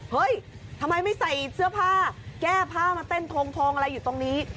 เฮ้ยทำไมไม่ใส่เสื้อผ้าแก้ผ้ามาเต้นโทงอะไรอยู่ตรงนี้